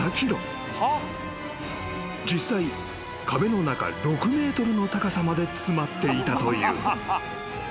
［実際壁の中６ｍの高さまで詰まっていたという］